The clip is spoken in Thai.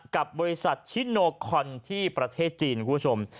กับบริษัทชิโนคอนที่ประเทศจีนคุณผู้ชม